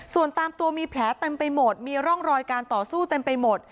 ส่วนตามตัวมีแผลเต็มไปหมดมีร่องรอยการต่อสู้เต็มไปหมด